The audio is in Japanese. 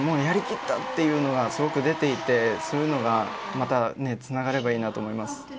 やり切ったのがすごく出ていてそういうのがまたつながればいいな、と思います。